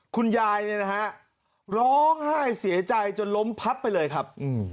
คุณยายเนี่ยนะฮะร้องไห้เสียใจจนล้มพับไปเลยครับ